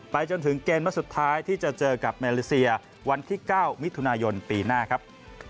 จนถึงเกมวันสุดท้ายที่จะเจอกับมาเลเซียวันที่๙มิถุนายนปีหน้าครับ